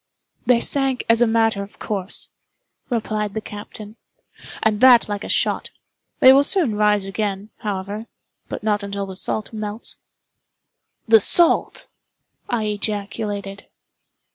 "They sank as a matter of course," replied the captain, "and that like a shot. They will soon rise again, however—but not till the salt melts." "The salt!" I ejaculated.